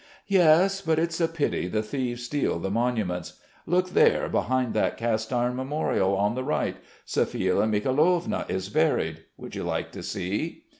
"Yes, but it's a pity the thieves steal the monuments. Look, there, behind that cast iron memorial, on the right, Sophia Mikhailovna is buried. Would you like to see?"